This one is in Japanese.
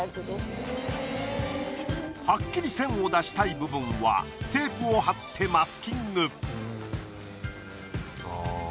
はっきり線を出したい部分はテープを貼ってマスキング。